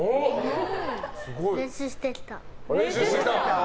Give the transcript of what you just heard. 練習してきた。